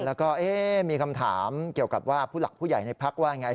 แล้วก็มีคำถามเกี่ยวกับว่าผู้หลักผู้ใหญ่ในพักว่าอย่างไร